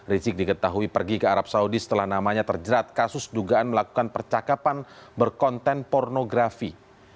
rizik diketahui pergi ke arab saudi setelah namanya terjerat kasus dugaan melakukan percakapan berkonten pornografi